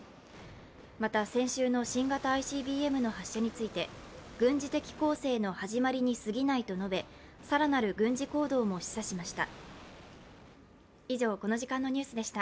また先週の新型ＩＣＢＭの発射について軍事的攻勢の始まりにすぎないと述べ更なる軍事行動も示唆しました。